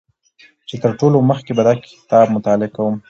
چې تر ټولو مخکې به دا کتاب مطالعه کوم